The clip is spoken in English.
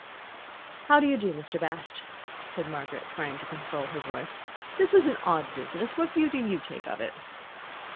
"How do you do, Mr. Bast?" said Margaret, trying to control her voice. "This is an odd business. What view do you take of it?"